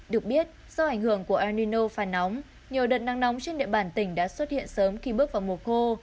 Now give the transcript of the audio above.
được biết do ảnh hưởng của elino phản nóng nhiều đợt nắng nóng trên địa bàn tỉnh đã xuất hiện sớm khi bước vào mùa khô